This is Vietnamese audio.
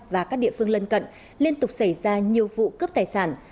và các địa phương lân cận liên tục xảy ra nhiều vụ cướp tài sản